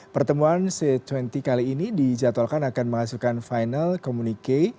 pertemuan c dua puluh kali ini dijadwalkan akan menghasilkan final communique